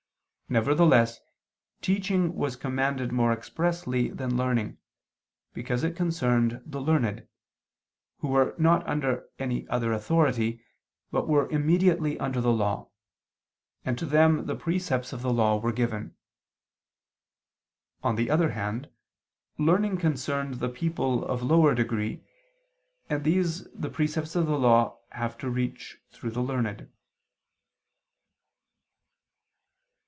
Nevertheless teaching was commanded more expressly than learning, because it concerned the learned, who were not under any other authority, but were immediately under the law, and to them the precepts of the Law were given. On the other hand learning concerned the people of lower degree, and these the precepts of the Law have to reach through the learned.